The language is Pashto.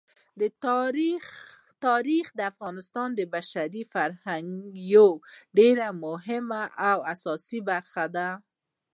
تاریخ د افغانستان د بشري فرهنګ یوه ډېره مهمه او اساسي برخه ده.